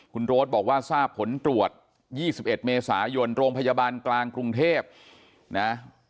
คุณโรดบอกว่าทราบผลตรวจ๒๑เมษายนโรงพยาบาลกลางกรุงเทพนะ